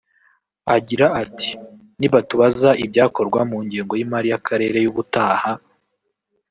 Agira ati “Nibatubaza ibyakorwa mu ngengo y’imari y’akarere y’ubutaha